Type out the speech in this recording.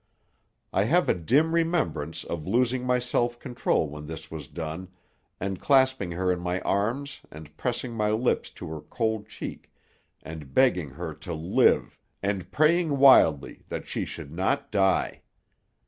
I have a dim remembrance of losing my self control when this was done, and clasping her in my arms and pressing my lips to her cold cheek and begging her to live and praying wildly that she should not die.